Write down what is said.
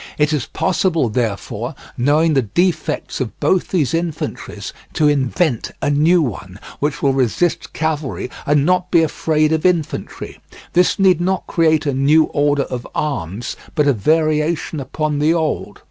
It is possible, therefore, knowing the defects of both these infantries, to invent a new one, which will resist cavalry and not be afraid of infantry; this need not create a new order of arms, but a variation upon the old.